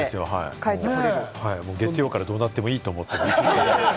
月曜からどうなってもいいと思って。